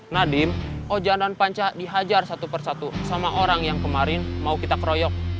nadiem oja dan panca dihajar satu persatu sama orang yang kemarin mau kita keroyok